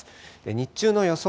日中の予想